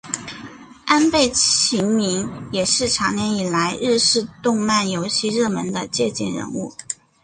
安倍晴明也是长年以来日式动漫游戏热门的借鉴人物。